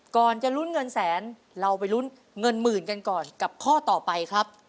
ก่อนจะลุ้นเงินแสนเราไปลุ้นเงินหมื่นกันก่อนกับข้อต่อไปครับ